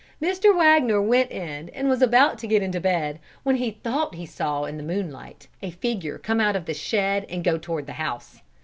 Mr. Wagner went in and was about to get into bed, when he thought he saw in the moonlight a figure come out of the shed and go toward the house.